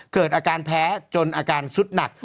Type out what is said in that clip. เกิดอาการแพ้จนอาการสุดหนัก